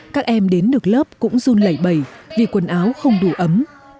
các em đến được lớp cũng run lẩy bẩy vì quần áo không đủ ấm